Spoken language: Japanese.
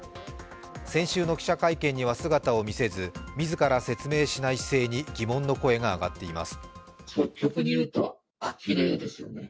先週の記者会見には姿を見せず、自ら説明しない姿勢に疑問の声があがっています。